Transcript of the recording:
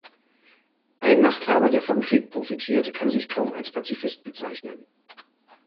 Ein Machthaber, der vom Krieg profitiert, kann sich kaum als Pazifist bezeichnen.